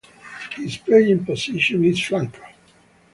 His playing position is flanker.